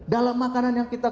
dalam makanan yang kita